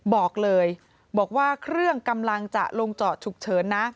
บอกเลยบอกว่าเครื่องกำลังจะลงจอดฉุกเฉินนะ